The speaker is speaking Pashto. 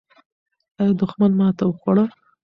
آیا دښمن ماته وخوړه؟